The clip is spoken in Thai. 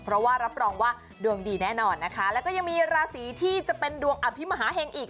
เพราะว่ารับรองว่าดวงดีแน่นอนนะคะแล้วก็ยังมีราศีที่จะเป็นดวงอภิมหาเห็งอีก